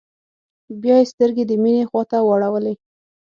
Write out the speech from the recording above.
بيا يې سترګې د مينې خواته واړولې.